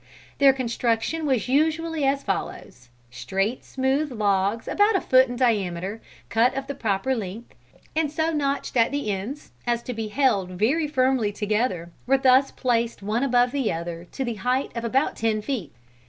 Their construction was usually as follows: Straight, smooth logs about a foot in diameter, cut of the proper length, and so notched at the ends as to be held very firmly together, were thus placed one above the other to the height of about ten feet.